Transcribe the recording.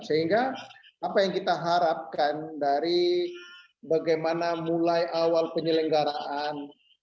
sehingga apa yang kita harapkan dari bagaimana mulai awal penyelenggaraan